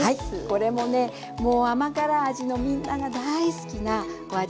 これもねもう甘辛味のみんなが大好きなお味つけです。